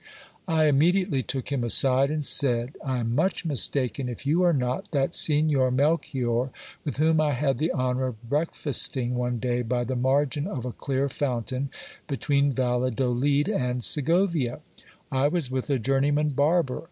I immediately took him aside, and said : I am much mistaken if you are not that Signor Melchior with whom I had the honour of breakfasting one day by the margin of a clear fountain, between Valladolid and Segovia. I was with a journeyman barber.